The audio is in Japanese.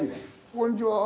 こんにちは。